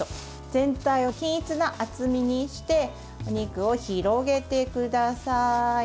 全体を均一な厚みにしてお肉を広げてください。